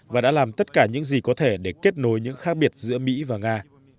và đã làm tất cả những gì có thể để kết nối những khác biệt giữa mỹ và nga